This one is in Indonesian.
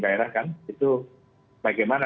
daerah kan itu bagaimana